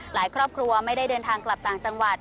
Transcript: ครอบครัวไม่ได้เดินทางกลับต่างจังหวัด